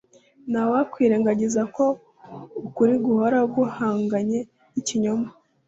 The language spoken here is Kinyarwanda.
nta wakwirengagiza ko ukuri guhora guhanganye n’ ikinyoma